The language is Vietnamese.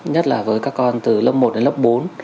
nhất là với các con từ lớp một đến lớp bốn